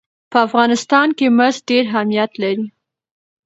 په افغانستان کې مس ډېر اهمیت لري.